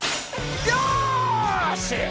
よし！